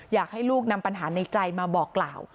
อยากให้ลูกนำปัญหาในใจมาบอกกล่าว